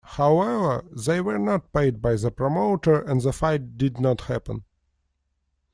However, they were not paid by the promoter and the fight did not happen.